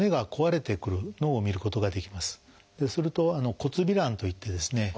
すると「骨びらん」といってですね